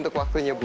terima kasih bu